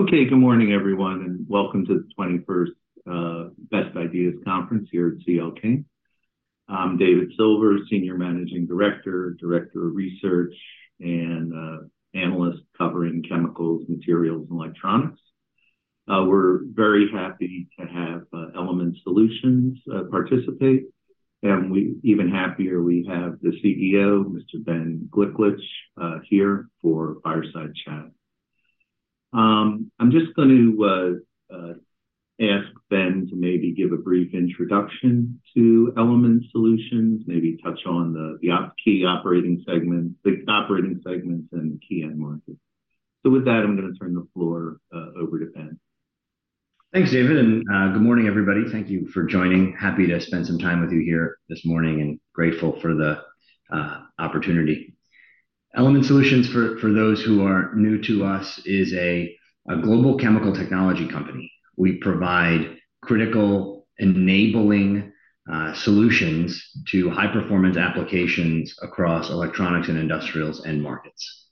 Okay, good morning, everyone, and welcome to the 21st Best Ideas Conference here at C.L. King. I'm David Silver, Senior Managing Director, Director of Research, and analyst covering chemicals, materials, and electronics. We're very happy to have Element Solutions participate, and we even happier we have the CEO, Mr. Ben Gliklich, here for a fireside chat. I'm just going to ask Ben to maybe give a brief introduction to Element Solutions, maybe touch on the key operating segments, the operating segments, and the key end markets. So with that, I'm gonna turn the floor over to Ben. Thanks, David, and good morning, everybody. Thank you for joining. Happy to spend some time with you here this morning, and grateful for the opportunity. Element Solutions, for those who are new to us, is a global chemical technology company. We provide critical enabling solutions to high-performance applications across electronics and industrials end markets.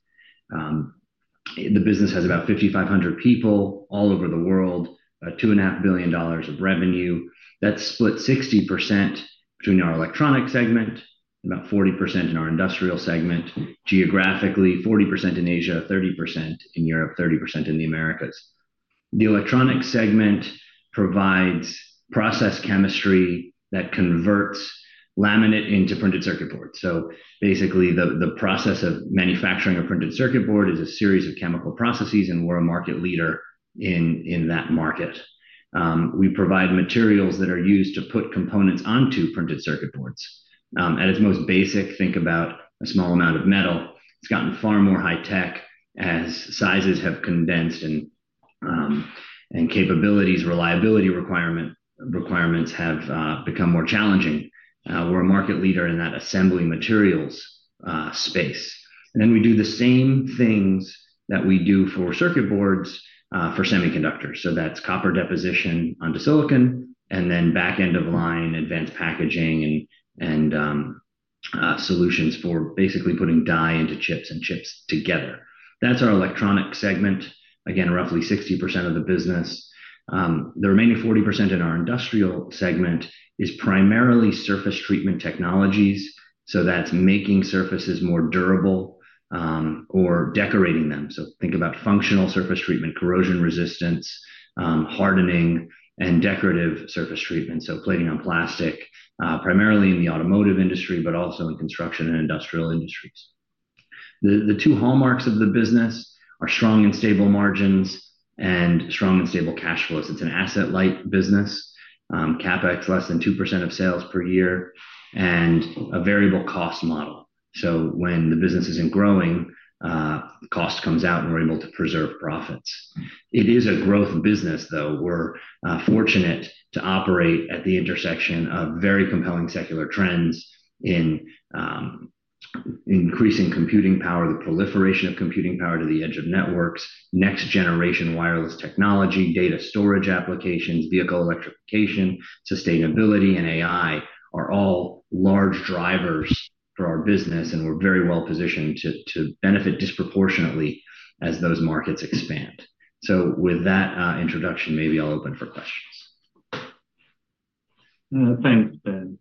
The business has about 5,500 people all over the world, $2.5 billion of revenue. That's split 60% between our electronic segment, about 40% in our industrial segment. Geographically, 40% in Asia, 30% in Europe, 30% in the Americas. The electronic segment provides process chemistry that converts laminate into printed circuit boards. So basically, the process of manufacturing a printed circuit board is a series of chemical processes, and we're a market leader in that market. We provide materials that are used to put components onto printed circuit boards. At its most basic, think about a small amount of metal. It's gotten far more high tech as sizes have condensed and capabilities, reliability requirements have become more challenging. We're a market leader in that assembly materials space. And then we do the same things that we do for circuit boards for semiconductors. So that's copper deposition onto silicon, and then back end of line advanced packaging and solutions for basically putting die into chips and chips together. That's our electronic segment. Again, roughly 60% of the business. The remaining 40% in our industrial segment is primarily surface treatment technologies, so that's making surfaces more durable or decorating them. Think about functional surface treatment, corrosion resistance, hardening and decorative surface treatment, so plating on plastic, primarily in the automotive industry, but also in construction and industrial industries. The two hallmarks of the business are strong and stable margins and strong and stable cash flows. It's an asset-light business, CapEx less than 2% of sales per year, and a variable cost model. So when the business isn't growing, cost comes out, and we're able to preserve profits. It is a growth business, though. We're fortunate to operate at the intersection of very compelling secular trends in increasing computing power, the proliferation of computing power to the edge of networks, next-generation wireless technology, data storage applications, vehicle electrification, sustainability, and AI are all large drivers for our business, and we're very well positioned to benefit disproportionately as those markets expand. So with that, introduction, maybe I'll open for questions. Thanks, Ben.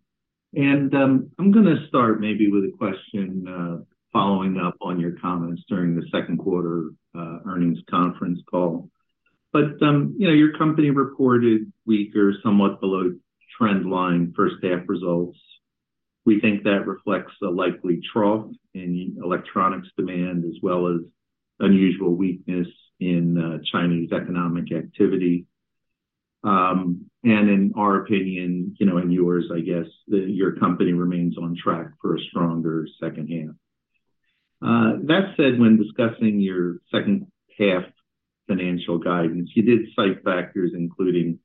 And, I'm gonna start maybe with a question, following up on your comments during the second quarter, earnings conference call. But, you know, your company reported weaker, somewhat below trend line, first half results. We think that reflects a likely trough in electronics demand, as well as unusual weakness in, Chinese economic activity. And in our opinion, you know, and yours, I guess, the, your company remains on track for a stronger second half. That said, when discussing your second half financial guidance, you did cite factors including,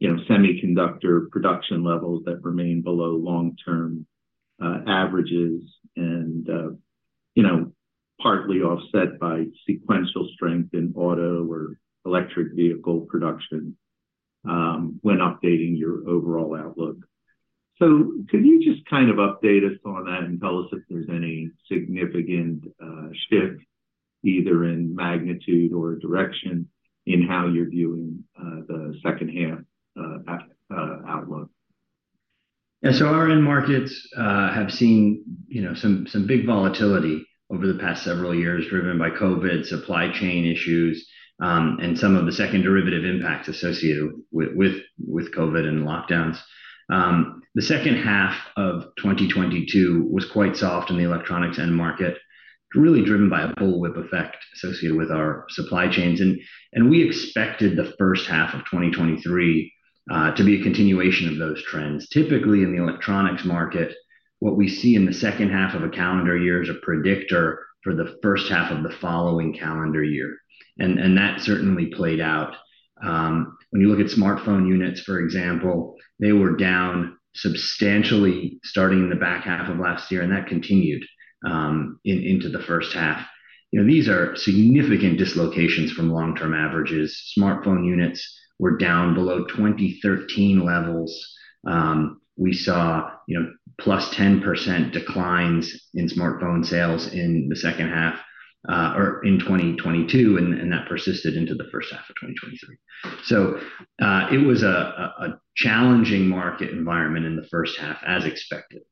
you know, semiconductor production levels that remain below long-term, averages and, you know, partly offset by sequential strength in auto or electric vehicle production, when updating your overall outlook. Could you just kind of update us on that and tell us if there's any significant shift, either in magnitude or direction, in how you're viewing the second half outlook? Yeah, so our end markets have seen, you know, some big volatility over the past several years, driven by COVID, supply chain issues, and some of the second derivative impacts associated with COVID and lockdowns. The second half of 2022 was quite soft in the electronics end market, really driven by a bullwhip effect associated with our supply chains, and we expected the first half of 2023 to be a continuation of those trends. Typically, in the electronics market, what we see in the second half of a calendar year is a predictor for the first half of the following calendar year, and that certainly played out. When you look at smartphone units, for example, they were down substantially starting in the back half of last year, and that continued into the first half. You know, these are significant dislocations from long-term averages. Smartphone units were down below 2013 levels. We saw, you know, +10% declines in smartphone sales in the second half of 2022, and that persisted into the first half of 2023. It was a challenging market environment in the first half, as expected.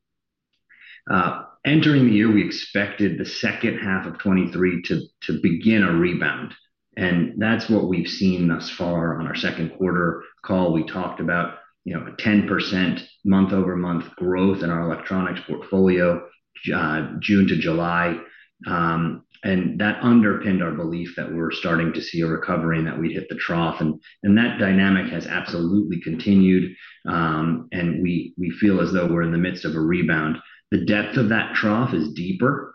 Entering the year, we expected the second half of 2023 to begin a rebound, and that's what we've seen thus far. On our second quarter call, we talked about, you know, a 10% month-over-month growth in our electronics portfolio, June to July. And that underpinned our belief that we were starting to see a recovery and that we'd hit the trough, and that dynamic has absolutely continued. We feel as though we're in the midst of a rebound. The depth of that trough is deeper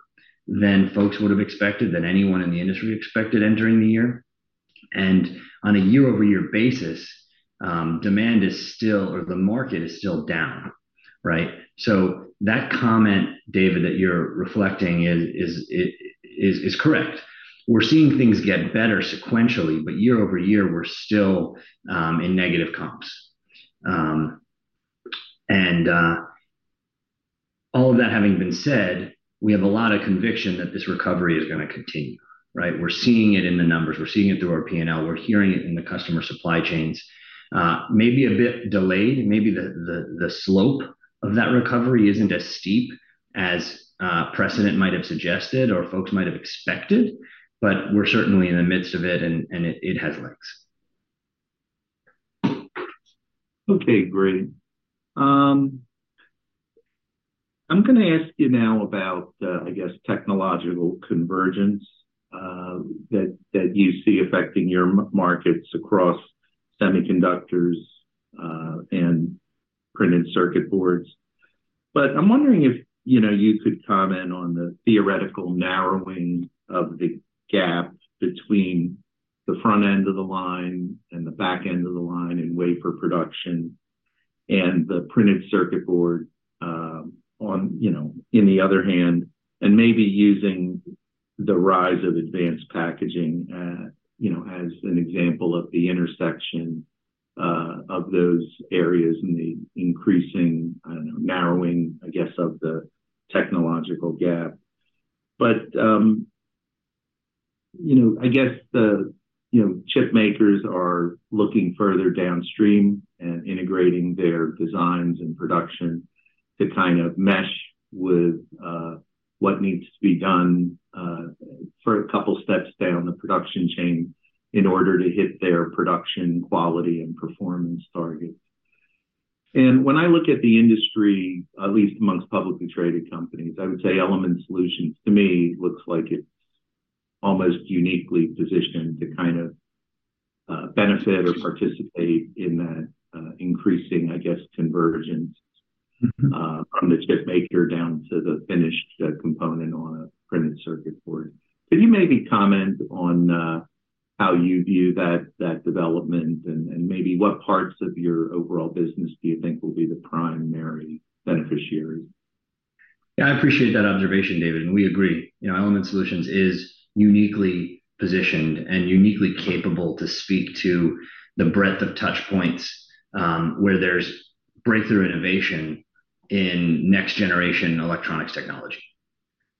than folks would have expected, than anyone in the industry expected entering the year. And on a year-over-year basis, demand is still or the market is still down, right? So that comment, David, that you're reflecting is correct. We're seeing things get better sequentially, but year over year, we're still in negative comps. All of that having been said, we have a lot of conviction that this recovery is gonna continue, right? We're seeing it in the numbers, we're seeing it through our P&L, we're hearing it in the customer supply chains. Maybe a bit delayed, maybe the slope of that recovery isn't as steep as precedent might have suggested or folks might have expected, but we're certainly in the midst of it, and it has legs. Okay, great. I'm gonna ask you now about, I guess, technological convergence, that you see affecting your markets across semiconductors, and printed circuit boards. But I'm wondering if, you know, you could comment on the theoretical narrowing of the gap between the front end of line and the back end of the line in wafer production and the printed circuit board, on, you know, in the other hand, and maybe using the rise of advanced packaging, you know, as an example of the intersection, of those areas and the increasing, I don't know, narrowing, I guess, of the technological gap. But, you know, I guess the, you know, chip makers are looking further downstream and integrating their designs and production to kind of mesh with what needs to be done for a couple steps down the production chain in order to hit their production quality and performance targets. And when I look at the industry, at least amongst publicly traded companies, I would say Element Solutions, to me, looks like it's almost uniquely positioned to kind of benefit or participate in that increasing, I guess, convergence- Mm-hmm... from the chip maker down to the finished component on a printed circuit board. Could you maybe comment on how you view that development, and maybe what parts of your overall business do you think will be the primary beneficiary? Yeah, I appreciate that observation, David, and we agree. You know, Element Solutions is uniquely positioned and uniquely capable to speak to the breadth of touch points where there's breakthrough innovation in next-generation electronics technology.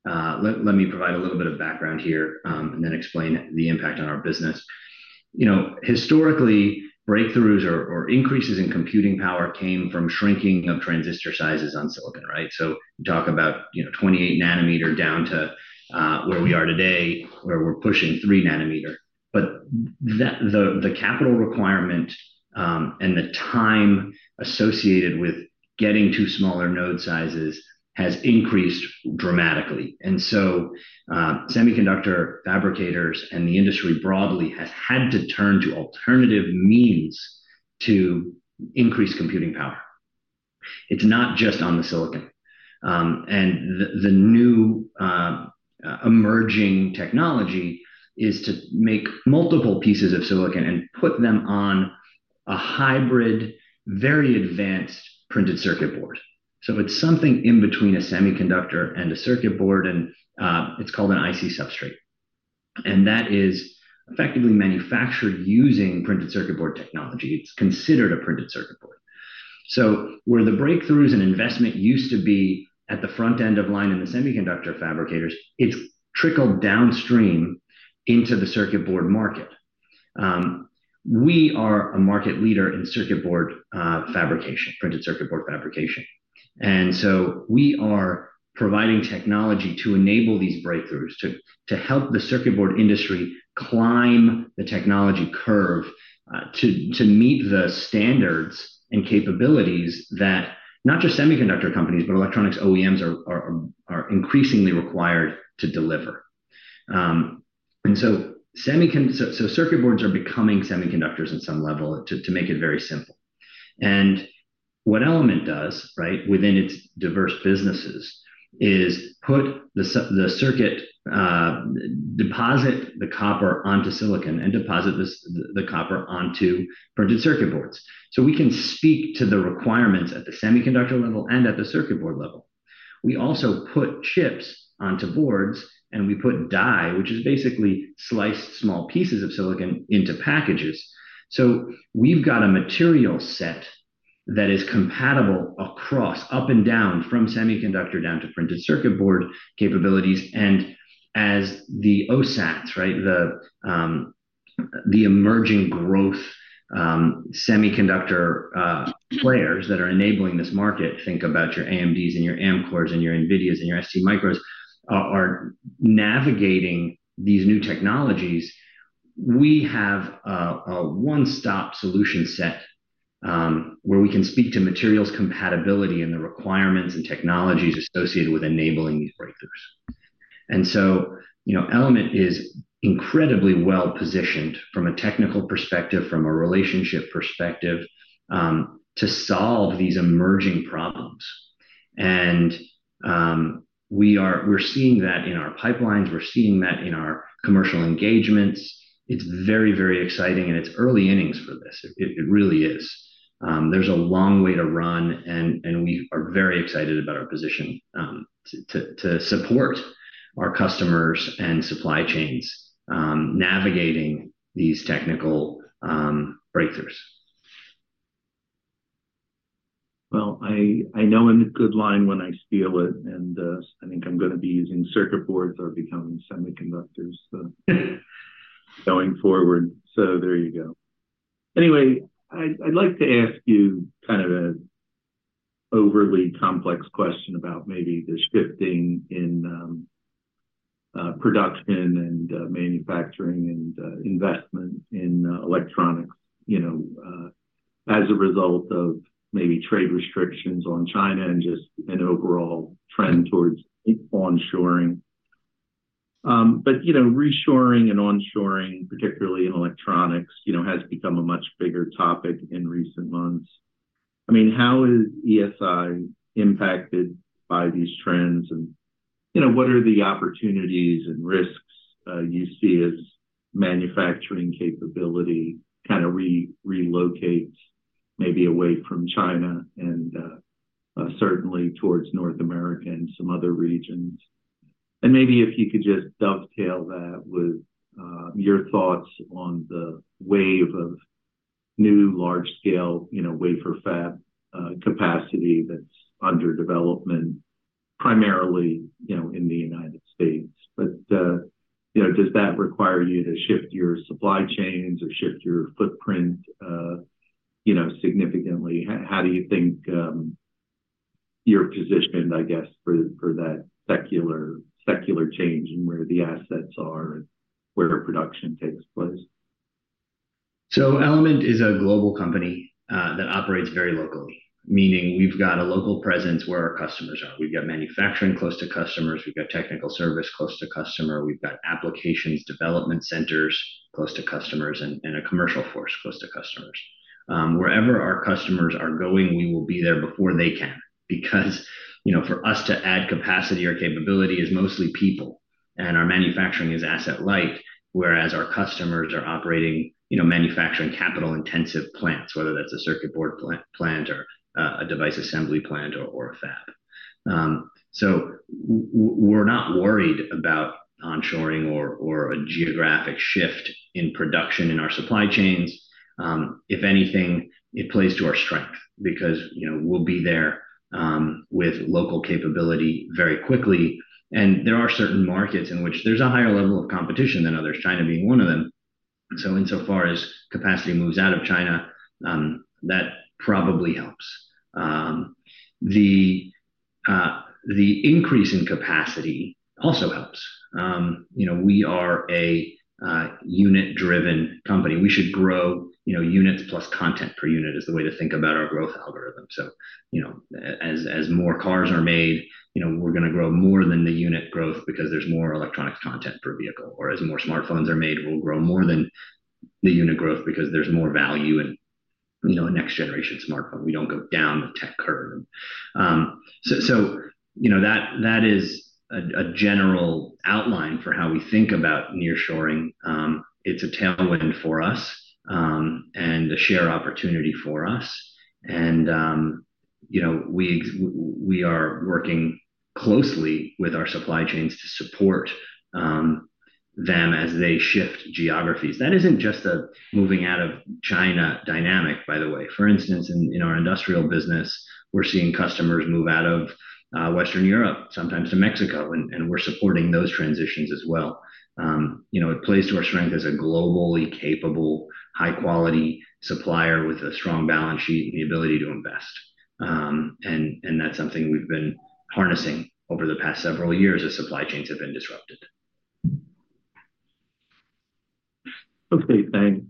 Let me provide a little bit of background here and then explain the impact on our business. You know, historically, breakthroughs or increases in computing power came from shrinking of transistor sizes on silicon, right? So talk about, you know, 28 nm down to where we are today, where we're pushing 3 nm. But the capital requirement and the time associated with getting to smaller node sizes has increased dramatically. And so, semiconductor fabricators and the industry broadly has had to turn to alternative means to increase computing power. It's not just on the silicon. The new emerging technology is to make multiple pieces of silicon and put them on a hybrid, very advanced printed circuit board. So it's something in between a semiconductor and a circuit board, and it's called an IC substrate, and that is effectively manufactured using printed circuit board technology. It's considered a printed circuit board. So where the breakthroughs in investment used to be at the front end of line in the semiconductor fabricators, it's trickled downstream into the circuit board market. We are a market leader in circuit board fabrication, printed circuit board fabrication, and so we are providing technology to enable these breakthroughs to help the circuit board industry climb the technology curve to meet the standards and capabilities that not just semiconductor companies, but electronics OEMs are increasingly required to deliver. So semiconductors. Circuit boards are becoming semiconductors at some level, to make it very simple. What Element does, right, within its diverse businesses, is put the circuitry, deposit the copper onto silicon and deposit the copper onto printed circuit boards. So we can speak to the requirements at the semiconductor level and at the circuit board level. We also put chips onto boards, and we put die, which is basically sliced small pieces of silicon, into packages. So we've got a material set that is compatible across, up and down, from semiconductor down to printed circuit board capabilities. As the OSATs, right, the emerging growth semiconductor players that are enabling this market, think about your AMDs and your Amkors and your NVIDIAs and your STMicroelectronics, are navigating these new technologies. We have a one-stop solution set, where we can speak to materials compatibility and the requirements and technologies associated with enabling these breakthroughs. And so, you know, Element is incredibly well-positioned from a technical perspective, from a relationship perspective, to solve these emerging problems. And, we are—we're seeing that in our pipelines, we're seeing that in our commercial engagements. It's very, very exciting, and it's early innings for this. It really is. There's a long way to run, and we are very excited about our position to support our customers and supply chains navigating these technical breakthroughs. Well, I know a good line when I steal it, and I think I'm gonna be using circuit boards are becoming semiconductors, going forward. So there you go. Anyway, I'd like to ask you kind of a overly complex question about maybe the shifting in production and manufacturing and investment in electronics, you know, as a result of maybe trade restrictions on China and just an overall trend towards onshoring. But, you know, reshoring and onshoring, particularly in electronics, you know, has become a much bigger topic in recent months. I mean, how is ESI impacted by these trends? And, you know, what are the opportunities and risks you see as manufacturing capability kind of relocates, maybe away from China and certainly towards North America and some other regions? And maybe if you could just dovetail that with your thoughts on the wave of new large-scale, you know, wafer fab capacity that's under development, primarily, you know, in the United States. But, you know, does that require you to shift your supply chains or shift your footprint, you know, significantly? How do you think you're positioned, I guess, for that secular change and where the assets are and where production takes place? So Element is a global company that operates very locally, meaning we've got a local presence where our customers are. We've got manufacturing close to customers, we've got technical service close to customer, we've got applications development centers close to customers, and a commercial force close to customers. Wherever our customers are going, we will be there before they can. Because, you know, for us to add capacity or capability is mostly people, and our manufacturing is asset light, whereas our customers are operating, you know, manufacturing capital-intensive plants, whether that's a circuit board plant or a device assembly plant or a fab. So we're not worried about onshoring or a geographic shift in production in our supply chains. If anything, it plays to our strength because, you know, we'll be there with local capability very quickly. There are certain markets in which there's a higher level of competition than others, China being one of them. So insofar as capacity moves out of China, that probably helps. The increase in capacity also helps. You know, we are a unit-driven company. We should grow, you know, units plus content per unit is the way to think about our growth algorithm. So, you know, as more cars are made, you know, we're gonna grow more than the unit growth because there's more electronic content per vehicle. Or as more smartphones are made, we'll grow more than the unit growth because there's more value in, you know, a next generation smartphone. We don't go down the tech curve. So, you know, that is a general outline for how we think about nearshoring. It's a tailwind for us, and a share opportunity for us. You know, we are working closely with our supply chains to support them as they shift geographies. That isn't just a moving out of China dynamic, by the way. For instance, in our industrial business, we're seeing customers move out of Western Europe, sometimes to Mexico, and we're supporting those transitions as well. You know, it plays to our strength as a globally capable, high-quality supplier with a strong balance sheet and the ability to invest. And that's something we've been harnessing over the past several years as supply chains have been disrupted. Okay, thanks.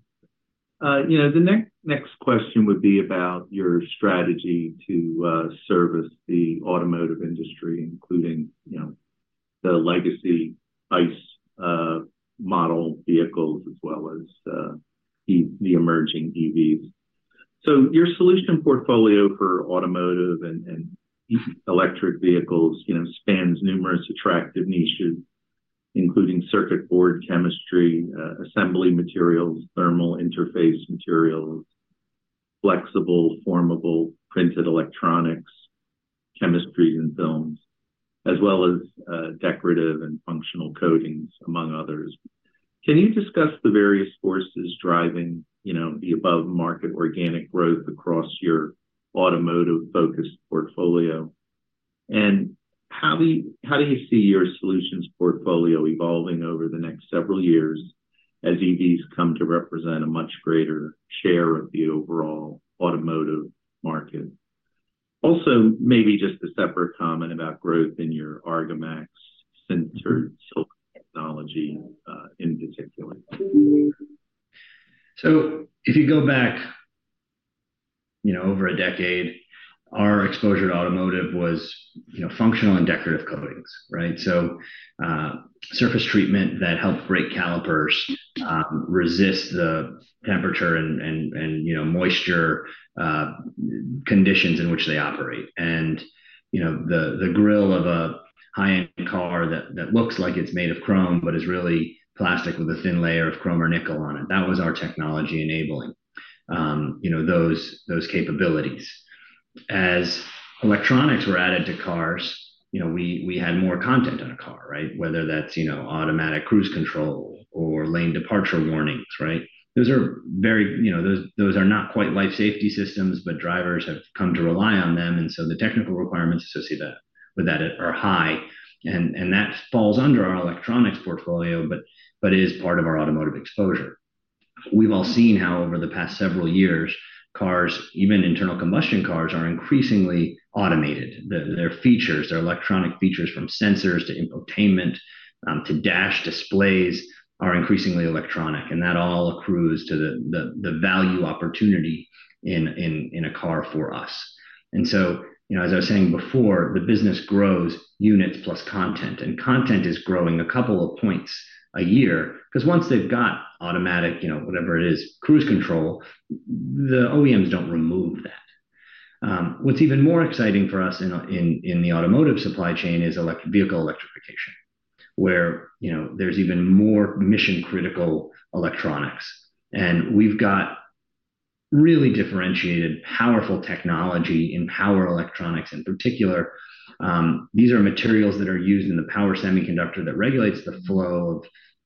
You know, the next, next question would be about your strategy to service the automotive industry, including, you know, the legacy ICE model vehicles, as well as the emerging EVs. So your solution portfolio for automotive and electric vehicles, you know, spans numerous attractive niches, including circuit board chemistry, assembly materials, thermal interface materials, flexible, formable printed electronics chemistries and films, as well as decorative and functional coatings, among others. Can you discuss the various forces driving, you know, the above-market organic growth across your automotive-focused portfolio? And how do you see your solutions portfolio evolving over the next several years as EVs come to represent a much greater share of the overall automotive market? Also, maybe just a separate comment about growth in your Argomax sintered silver technology, in particular. So if you go back, you know, over a decade, our exposure to automotive was, you know, functional and decorative coatings, right? So, surface treatment that helped brake calipers resist the temperature and, you know, moisture conditions in which they operate. And, you know, the grill of a high-end car that looks like it's made of chrome, but is really plastic with a thin layer of chrome or nickel on it, that was our technology enabling, you know, those capabilities. As electronics were added to cars, you know, we had more content in a car, right? Whether that's, you know, automatic cruise control or lane departure warnings, right? Those are very, you know, those are not quite life safety systems, but drivers have come to rely on them, and so the technical requirements associated with that are high, and that falls under our electronics portfolio, but it is part of our automotive exposure. We've all seen how over the past several years, cars, even internal combustion cars, are increasingly automated. Their features, their electronic features, from sensors to infotainment to dash displays, are increasingly electronic, and that all accrues to the value opportunity in a car for us. And so, you know, as I was saying before, the business grows units plus content, and content is growing a couple of points a year. Because once they've got automatic, you know, whatever it is, cruise control, the OEMs don't remove that. What's even more exciting for us in the automotive supply chain is electric vehicle electrification, where, you know, there's even more mission-critical electronics. And we've got really differentiated, powerful technology in power electronics in particular. These are materials that are used in the power semiconductor that regulates the flow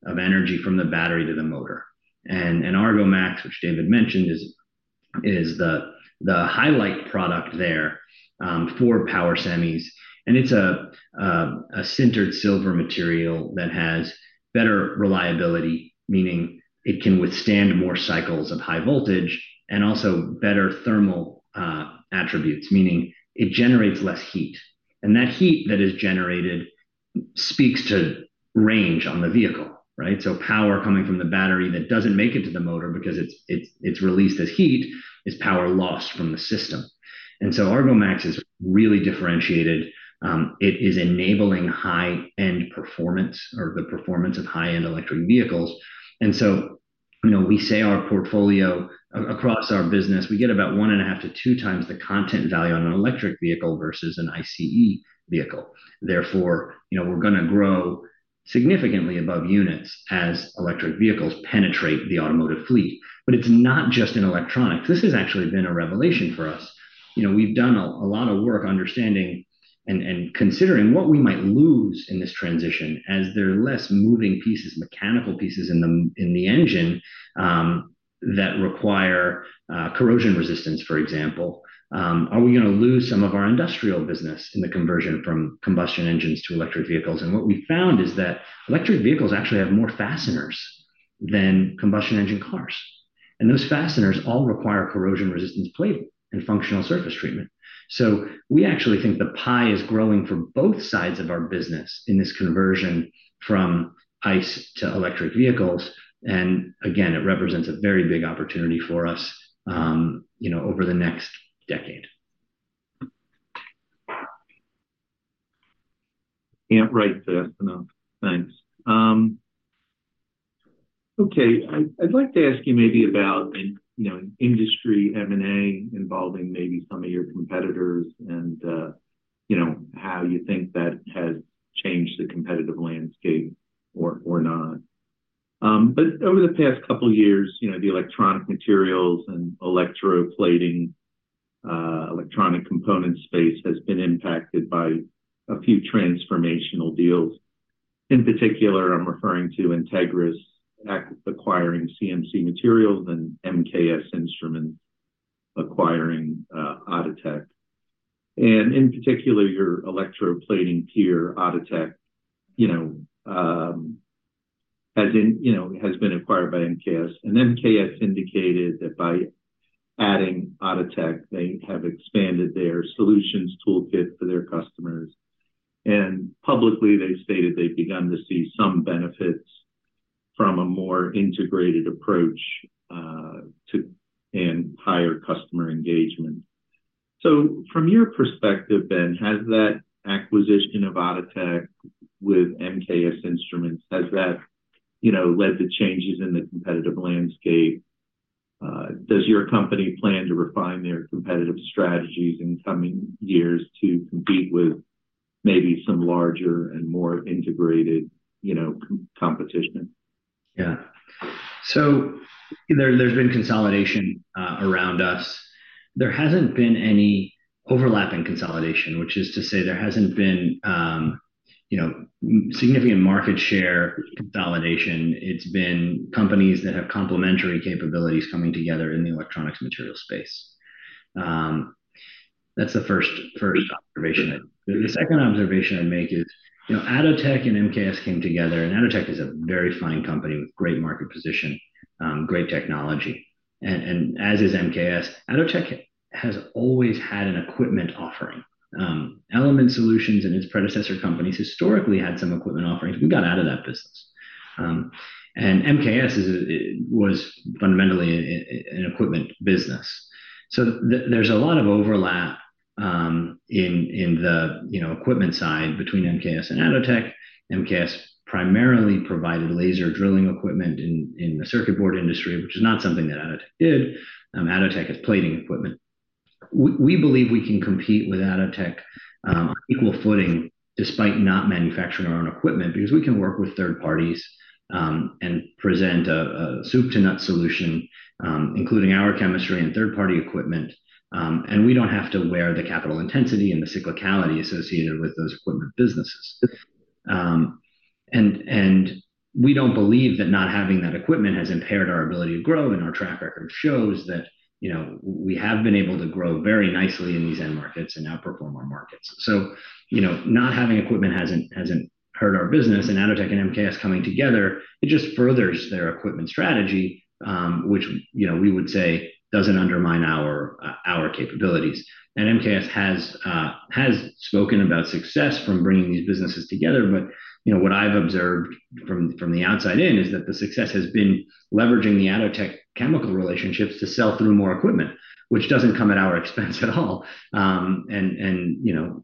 of energy from the battery to the motor. And Argomax, which David mentioned, is the highlight product there for power semis. And it's a sintered silver material that has better reliability, meaning it can withstand more cycles of high voltage, and also better thermal attributes, meaning it generates less heat. And that heat that is generated speaks to range on the vehicle, right? So power coming from the battery that doesn't make it to the motor because it's, it's, it's released as heat, is power lost from the system. And so Argomax is really differentiated. It is enabling high-end performance, or the performance of high-end electric vehicles. And so, you know, we say our portfolio across our business, we get about 1.5x-2x the content value on an electric vehicle versus an ICE vehicle. Therefore, you know, we're gonna grow significantly above units as electric vehicles penetrate the automotive fleet. But it's not just in electronics. This has actually been a revelation for us. You know, we've done a lot of work understanding and considering what we might lose in this transition as there are less moving pieces, mechanical pieces in the, in the engine, that require corrosion resistance, for example. Are we gonna lose some of our industrial business in the conversion from combustion engines to electric vehicles? And what we found is that electric vehicles actually have more fasteners than combustion engine cars, and those fasteners all require corrosion resistance plating and functional surface treatment. So we actually think the pie is growing for both sides of our business in this conversion from ICE to electric vehicles, and again, it represents a very big opportunity for us, you know, over the next decade. Can't write that enough. Thanks. I'd like to ask you maybe about, you know, industry M&A involving maybe some of your competitors and, you know, how you think that has changed the competitive landscape or not. But over the past couple of years, you know, the electronic materials and electroplating, electronic component space has been impacted by a few transformational deals. In particular, I'm referring to Entegris acquiring CMC Materials and MKS Instruments acquiring Atotech. And in particular, your electroplating peer, Atotech, you know, has been acquired by MKS. And MKS indicated that by adding Atotech, they have expanded their solutions toolkit for their customers. And publicly, they've stated they've begun to see some benefits from a more integrated approach to... and higher customer engagement. So from your perspective, Ben, has that acquisition of Atotech with MKS Instruments, has that, you know, led to changes in the competitive landscape? Does your company plan to refine their competitive strategies in coming years to compete with... maybe some larger and more integrated, you know, competition? Yeah. So there's been consolidation around us. There hasn't been any overlapping consolidation, which is to say there hasn't been, you know, significant market share consolidation. It's been companies that have complementary capabilities coming together in the electronics material space. That's the first observation. The second observation I'd make is, you know, Atotech and MKS came together, and Atotech is a very fine company with great market position, great technology, and as is MKS. Atotech has always had an equipment offering. Element Solutions and its predecessor companies historically had some equipment offerings. We got out of that business. And MKS is a, it was fundamentally an equipment business. So there's a lot of overlap, you know, in the equipment side between MKS and Atotech. MKS primarily provided laser drilling equipment in the circuit board industry, which is not something that Atotech did. Atotech is plating equipment. We believe we can compete with Atotech on equal footing despite not manufacturing our own equipment, because we can work with third parties and present a soup-to-nuts solution, including our chemistry and third-party equipment. And we don't have to wear the capital intensity and the cyclicality associated with those equipment businesses. And we don't believe that not having that equipment has impaired our ability to grow, and our track record shows that, you know, we have been able to grow very nicely in these end markets and outperform our markets. So, you know, not having equipment hasn't hurt our business, and Atotech and MKS coming together, it just furthers their equipment strategy, which, you know, we would say doesn't undermine our capabilities. And MKS has spoken about success from bringing these businesses together. But, you know, what I've observed from the outside in is that the success has been leveraging the Atotech chemical relationships to sell through more equipment, which doesn't come at our expense at all. And,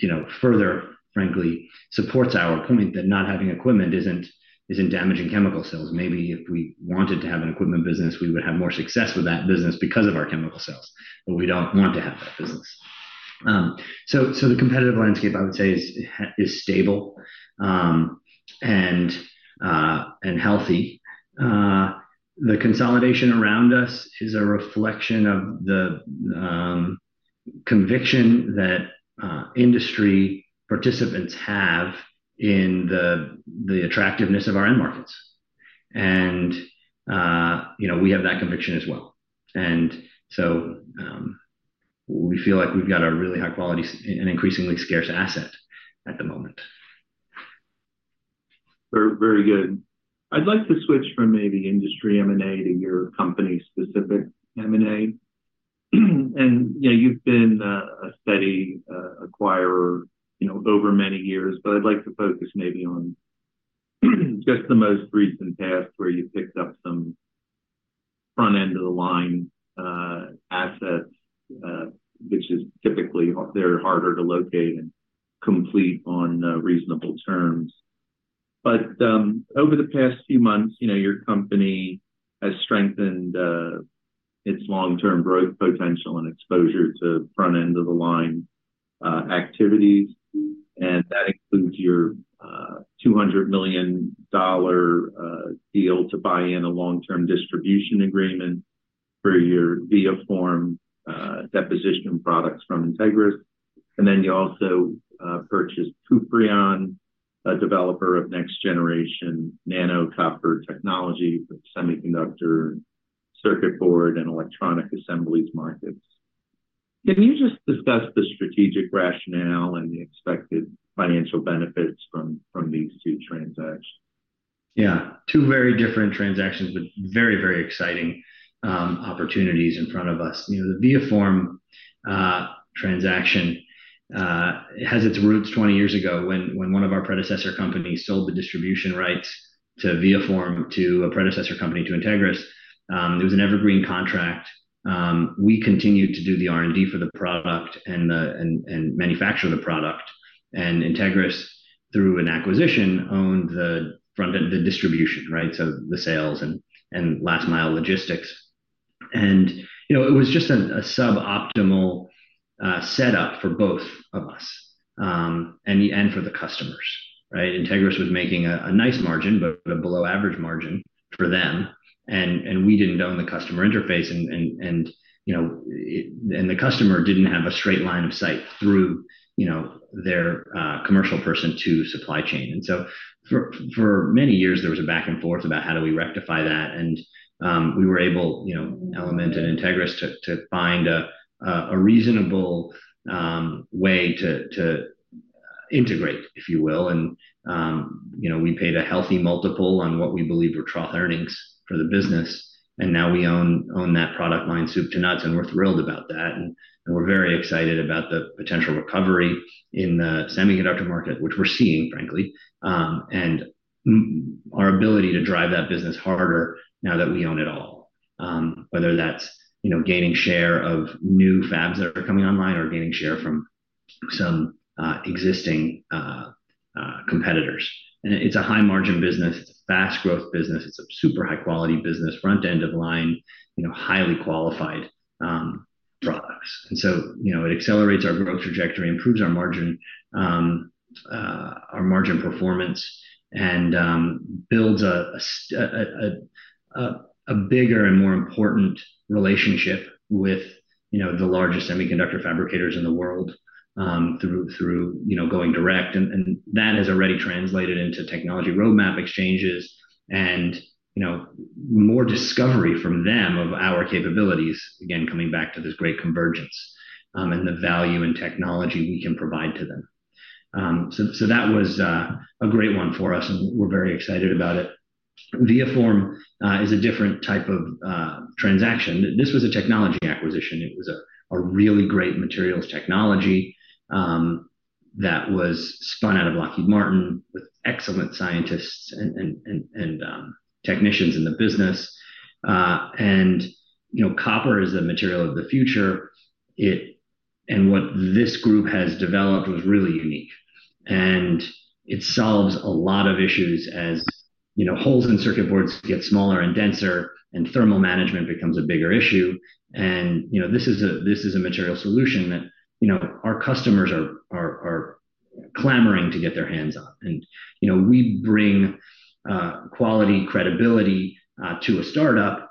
you know, further, frankly, supports our point that not having equipment isn't damaging chemical sales. Maybe if we wanted to have an equipment business, we would have more success with that business because of our chemical sales, but we don't want to have that business. So the competitive landscape, I would say, is stable and healthy. The consolidation around us is a reflection of the conviction that industry participants have in the attractiveness of our end markets, and you know, we have that conviction as well. So we feel like we've got a really high quality and increasingly scarce asset at the moment. Very, very good. I'd like to switch from maybe industry M&A to your company's specific M&A. And, you know, you've been a steady acquirer, you know, over many years, but I'd like to focus maybe on just the most recent past, where you picked up some front end of line assets, which is typically they're harder to locate and complete on reasonable terms. But over the past few months, you know, your company has strengthened its long-term growth potential and exposure to front end of line activities. And that includes your $200 million deal to buy in a long-term distribution agreement for your ViaForm deposition products from Entegris. And then you also purchased Kuprion, a developer of next generation nano-copper technology for semiconductor, circuit board, and electronic assemblies markets. Can you just discuss the strategic rationale and the expected financial benefits from these two transactions? Yeah. Two very different transactions, but very, very exciting, opportunities in front of us. You know, the ViaForm transaction has its roots 20 years ago when one of our predecessor companies sold the distribution rights to ViaForm to a predecessor company to Entegris. It was an evergreen contract. We continued to do the R&D for the product and manufacture the product. And Entegris, through an acquisition, owned the front end, the distribution, right? So the sales and last mile logistics. And, you know, it was just a suboptimal setup for both of us, and for the customers, right? Entegris was making a nice margin, but a below average margin for them, and we didn't own the customer interface, and you know... The customer didn't have a straight line of sight through, you know, their commercial person to supply chain. So for many years, there was a back and forth about how do we rectify that, and we were able, you know, Element and Entegris, to find a reasonable way to integrate, if you will. You know, we paid a healthy multiple on what we believe were trough earnings for the business, and now we own that product line, soup to nuts, and we're thrilled about that. We're very excited about the potential recovery in the semiconductor market, which we're seeing, frankly, and our ability to drive that business harder now that we own it all. Whether that's, you know, gaining share of new fabs that are coming online or gaining share from some existing fabs competitors. And it's a high-margin business, it's a fast growth business, it's a super high quality business, Front End of Line, you know, highly qualified products. And so, you know, it accelerates our growth trajectory, improves our margin, our margin performance, and builds a bigger and more important relationship with, you know, the largest semiconductor fabricators in the world, through you know, going direct. And that has already translated into technology roadmap exchanges and, you know, more discovery from them of our capabilities, again, coming back to this great convergence, and the value and technology we can provide to them. So that was a great one for us, and we're very excited about it. ViaForm is a different type of transaction. This was a technology acquisition. It was a really great materials technology that was spun out of Lockheed Martin, with excellent scientists and technicians in the business. And, you know, copper is the material of the future. It and what this group has developed was really unique. And it solves a lot of issues as, you know, holes in circuit boards get smaller and denser, and thermal management becomes a bigger issue. And, you know, this is a material solution that, you know, our customers are clamoring to get their hands on. And, you know, we bring quality and credibility to a start-up,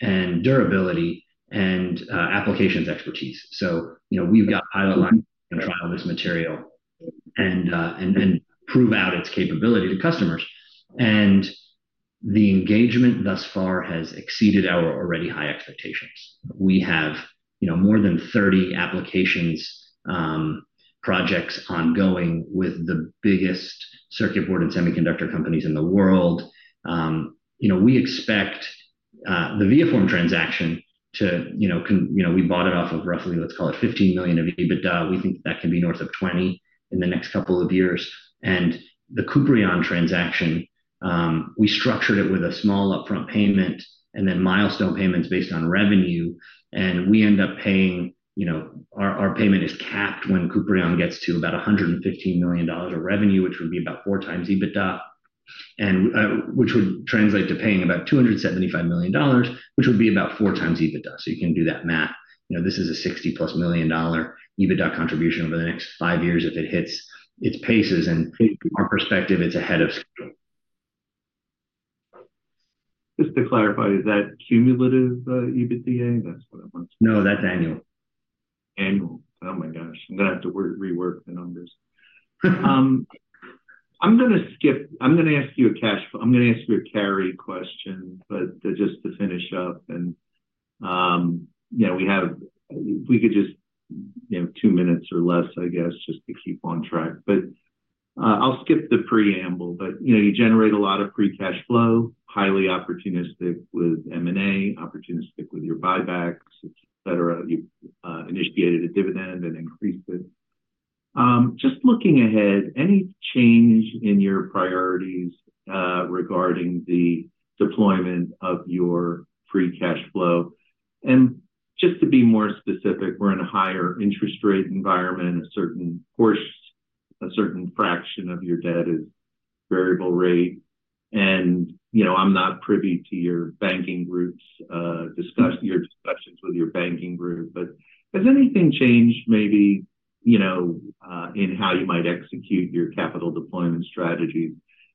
and durability and applications expertise. So, you know, we've got pilot line to try all this material and and prove out its capability to customers. And the engagement thus far has exceeded our already high expectations. We have, you know, more than 30 applications, projects ongoing with the biggest circuit board and semiconductor companies in the world. You know, we expect the ViaForm transaction to, you know, we bought it off of roughly, let's call it $15 million of EBITDA. We think that can be north of $20 million in the next couple of years. And the Kuprion transaction, we structured it with a small upfront payment and then milestone payments based on revenue, and we end up paying... You know, our payment is capped when Kuprion gets to about $115 million of revenue, which would be about 4x EBITDA, and which would translate to paying about $275 million, which would be about 4x EBITDA. So you can do that math. You know, this is a $60+ million EBITDA contribution over the next five years if it hits its paces, and from our perspective, it's ahead of schedule. Just to clarify, is that cumulative EBITDA? That's what I want to know. No, that's annual. Annual. Oh, my gosh. I'm going to have to rework the numbers. I'm going to ask you a carry question, but just to finish up, and you know, we could just, you know, two minutes or less, I guess, just to keep on track. But I'll skip the preamble. But you know, you generate a lot of free cash flow, highly opportunistic with M&A, opportunistic with your buybacks, et cetera. You've initiated a dividend and increased it. Just looking ahead, any change in your priorities regarding the deployment of your free cash flow? And just to be more specific, we're in a higher interest rate environment. Of course, a certain fraction of your debt is variable rate. You know, I'm not privy to your banking group's discussions with your banking group, but has anything changed maybe, you know, in how you might execute your capital deployment strategy?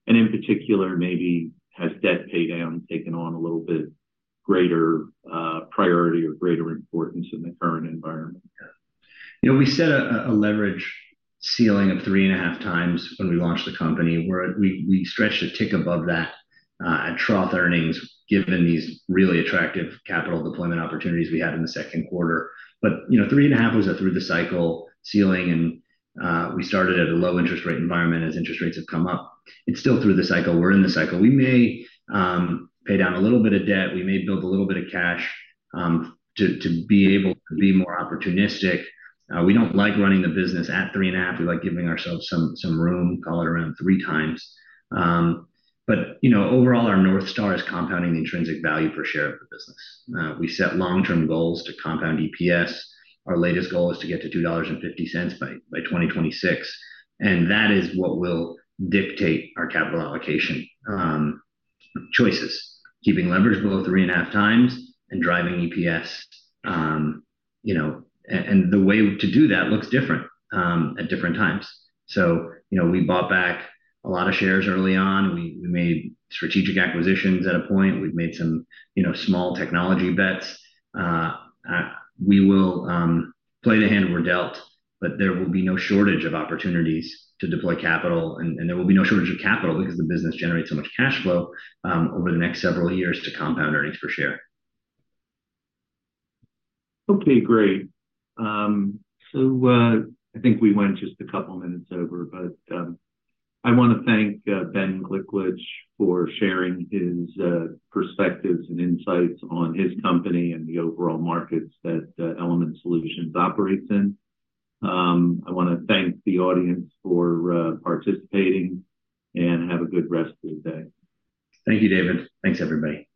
In particular, maybe has debt pay down taken on a little bit greater priority or greater importance in the current environment? You know, we set a leverage ceiling of 3.5x when we launched the company, where we stretched a tick above that at trough earnings, given these really attractive capital deployment opportunities we had in the second quarter. But, you know, 3.5x was a through the cycle ceiling, and we started at a low interest rate environment as interest rates have come up. It's still through the cycle. We're in the cycle. We may pay down a little bit of debt. We may build a little bit of cash to be able to be more opportunistic. We don't like running the business at 3.5x. We like giving ourselves some room, call it around 3x. But, you know, overall, our North Star is compounding the intrinsic value per share of the business. We set long-term goals to compound EPS. Our latest goal is to get to $2.50 by 2026, and that is what will dictate our capital allocation choices. Keeping leverage below 3.5x and driving EPS, you know... The way to do that looks different at different times. So, you know, we bought back a lot of shares early on. We made strategic acquisitions at a point. We've made some, you know, small technology bets. We will play the hand we're dealt, but there will be no shortage of opportunities to deploy capital, and there will be no shortage of capital because the business generates so much cash flow over the next several years to compound earnings per share. Okay, great. I think we went just a couple minutes over, but I want to thank Ben Gliklich for sharing his perspectives and insights on his company and the overall markets that Element Solutions operates in. I want to thank the audience for participating, and have a good rest of the day. Thank you, David. Thanks, everybody. Thanks, Ben.